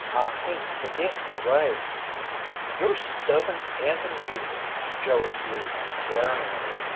I hain't forgittin' the way." "Ye'r stubborn as a mule!" Joe accused, glaring at her.